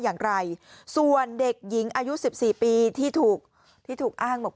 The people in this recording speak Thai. อย่างไรส่วนเด็กหญิงอายุ๑๔ปีที่ถูกที่ถูกอ้างบอก